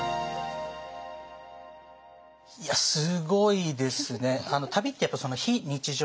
いやすごいですね。